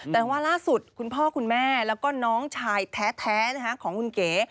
แต่ว่าล่าสุดคุณพ่อคุณแม่แล้วก็น้องชายแท้ของคุณเก๋